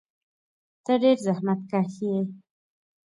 ته ډېر زحمتکښ یې.